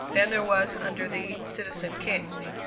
than there was under the "Citizen King."